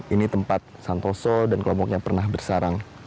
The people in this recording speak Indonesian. ini tempat santoso dan kelompoknya pernah bersarang